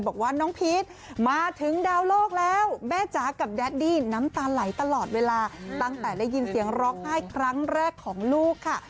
บอกว่าน้องพีชมาถึงดาวโลกแล้วแม่จ๋ากับแดดดี้น้ำตาไหลตลอดเวลาตั้งแต่ได้ยินเสียงร้องไห้ครั้งแรกของลูกค่ะ